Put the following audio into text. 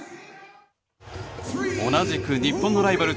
同じく、日本のライバル